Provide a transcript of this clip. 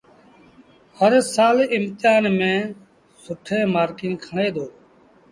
هرسآل امتهآݩ ميݩ سيٚٺين مآرڪيٚݩ کڻي دو